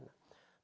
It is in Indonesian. termasuk kita juga